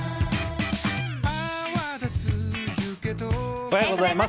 おはようございます。